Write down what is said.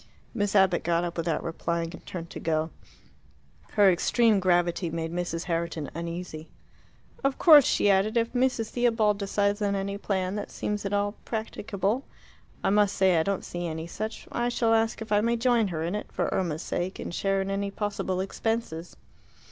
Miss Abbott got up without replying and turned to go. Her extreme gravity made Mrs. Herriton uneasy. "Of course," she added, "if Mrs. Theobald decides on any plan that seems at all practicable I must say I don't see any such I shall ask if I may join her in it, for Irma's sake, and share in any possible expenses."